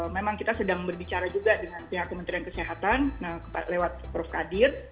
memang kita sedang berbicara juga dengan pihak kementerian kesehatan lewat prof kadir